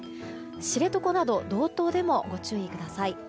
知床など道東でもご注意ください。